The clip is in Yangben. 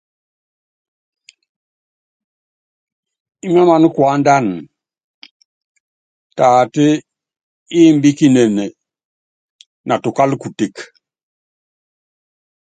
Imáámaná kuándana, taata, imbíkínéné natukála kuteke.